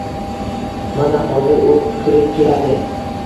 Mana hozir u kirib keladi.